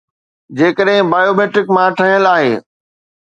جيڪڏهن بايوميٽرڪ مان ٺهيل آهي